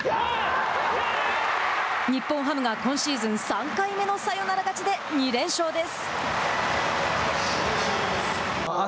日本ハムが、今シーズン３回目のサヨナラ勝ちで２連勝です。